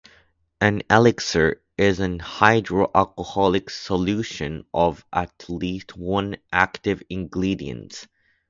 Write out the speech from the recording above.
An elixir is a hydro-alcoholic solution of at least one active ingredient.